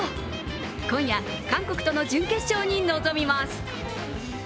今夜、韓国との準決勝に臨みます。